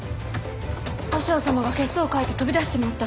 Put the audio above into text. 和尚様が血相を変えて飛び出しちまった。